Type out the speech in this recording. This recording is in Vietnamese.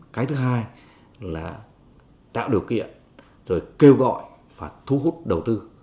cái thứ hai là tạo điều kiện rồi kêu gọi và thu hút đầu tư